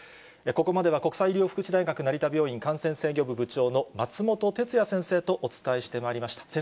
ここまでは国際医療福祉大学成田病院感染制御部、部長の松本哲哉先生とお伝えしてまいりました。